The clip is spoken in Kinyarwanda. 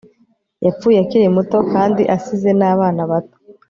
Yapfuye akiri muto kandi asize nabana bato